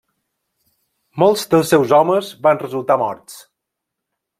Molts dels seus homes van resultar morts.